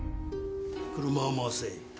車を回せ。